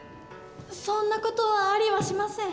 そんな事はありはしません。